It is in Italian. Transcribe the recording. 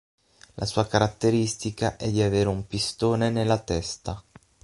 La sua caratteristica è di avere un pistone nella testa.